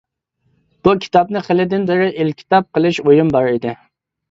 بۇ كىتابنى خېلىدىن بېرى ئېلكىتاب قىلىش ئويۇم بار ئىدى.